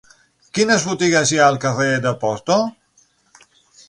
Quines botigues hi ha al carrer de Porto?